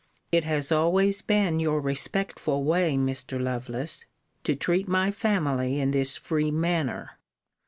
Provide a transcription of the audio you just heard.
It has always been your respectful way, Mr. Lovelace, to treat my family in this free manner.